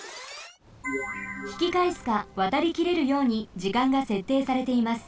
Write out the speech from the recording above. ひきかえすかわたりきれるように時間がせっていされています。